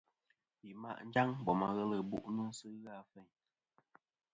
Yi ma' njaŋ bom teyn ta ghelɨ bu'nɨ sɨ ghɨ a feyn.